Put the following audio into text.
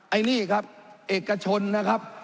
อันนี้ครับเอกชนนะครับ